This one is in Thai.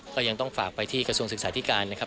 ก็ยังต้องฝากไปที่กระทรวงศึกษาธิการนะครับ